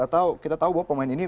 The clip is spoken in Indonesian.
atau kita tahu bahwa pemain ini